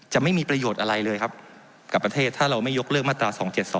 ไม่มีประโยชน์อะไรเลยครับกับประเทศถ้าเราไม่ยกเลิกมาตรา๒๗๒